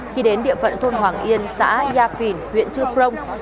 khi đến địa phận thôn hoàng yên